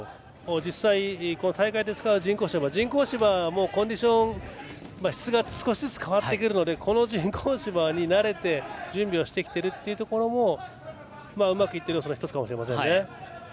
実際、大会で使う人工芝もコンディション質が少しずつ変わってくるのでこの人工芝に慣れて準備してきているところもうまくいっている要素の１つかもしれません。